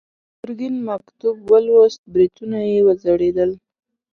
ګرګين مکتوب ولوست، برېتونه يې وځړېدل.